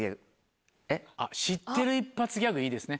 知ってる一発ギャグいいですね